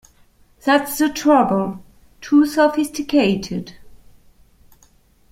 That's the trouble - too sophisticated.